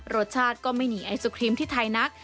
รสชาติก็ไม่หนีไอศครีมที่ไทยนัก